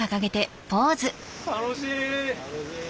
楽しい！